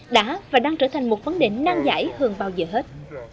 đã và đang trở thành một vấn đề nan giải hơn bao giờ hết